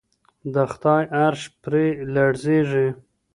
د خدای عرش پرې لړزیږي.